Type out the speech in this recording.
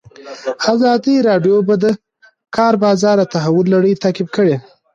ازادي راډیو د د کار بازار د تحول لړۍ تعقیب کړې.